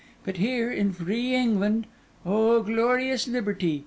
But here, in free England—oh, glorious liberty!